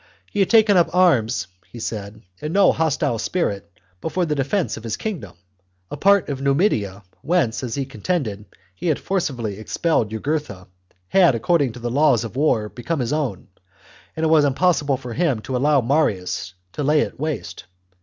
He had taken up arms, he said, in no hostile spirit, but for the defence of his kingdom ; a part of Numidia, whence, as he contended, he had forcibly expelled Jugurtha, had, according to the laws of war, become his own, and it was impossible for him to allow Marius to lay it waste.